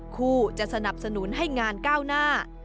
คู่จะสนับสนุนให้งานก้าวหน้า